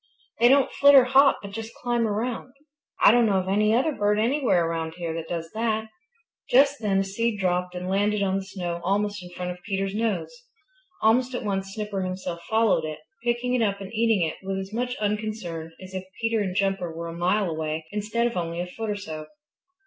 They don't flit or hop, but just climb around. I don't know of any other bird anywhere around here that does that." Just then a seed dropped and landed on the snow almost in front of Peter's nose. Almost at once Snipper himself followed it, picking it up and eating it with as much unconcern as if Peter and Jumper were a mile away instead of only a foot or so.